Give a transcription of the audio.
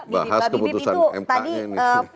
bahas keputusan mpa ini